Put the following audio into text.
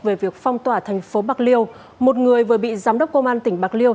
về việc phong tỏa thành phố bạc liêu một người vừa bị giám đốc công an tỉnh bạc liêu